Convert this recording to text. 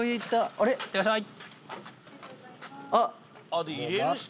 あれ⁉いってらっしゃい！